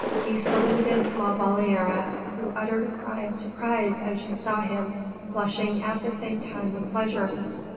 He saluted La Valliere, who uttered a cry of surprise as she saw him, blushing at the same time with pleasure.